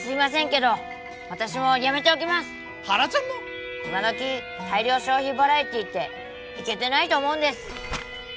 今どき大量消費バラエティってイケてないと思うんです。